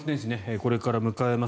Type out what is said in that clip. これから迎えます